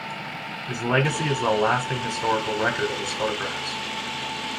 His legacy is the lasting historical record of his photographs.